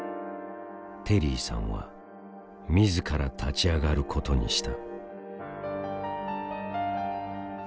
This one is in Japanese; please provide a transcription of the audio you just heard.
テリーさんは自ら立ち上がることにした。